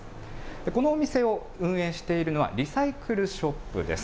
このお店を運営しているのは、リサイクルショップです。